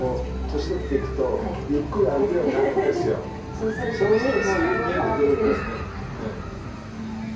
そうすると見える視界も変わってくる。